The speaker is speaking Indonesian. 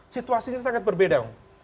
situasinya sangat berbeda